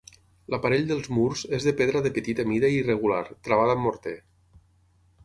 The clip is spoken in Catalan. L'aparell dels murs és de pedra de petita mida i irregular, travada amb morter.